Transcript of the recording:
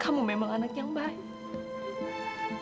kamu memang anak yang baik